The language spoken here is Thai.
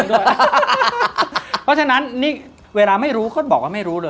เพราะฉะนั้นนี่เวลาไม่รู้เขาบอกว่าไม่รู้เลย